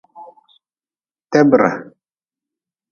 Tebre.